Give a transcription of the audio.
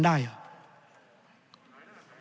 ได้เหรอ